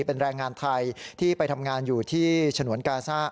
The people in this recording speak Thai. เป็นแรงงานไทยที่ไปทำงานอยู่ที่ฉนวนกาซ่า